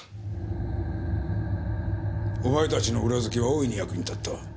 お前たちの裏づけは大いに役に立った。